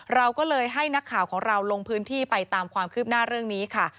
เราก็เลยให้นักข่าวของเราลงพื้นที่ไปตามความคืบหน้าเรื่องนี้ค่ะ